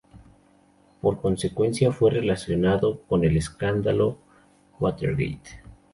Por consecuencia, fue relacionado con el Escándalo Watergate.